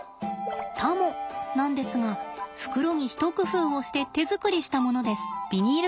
タモなんですが袋に一工夫をして手作りしたものです。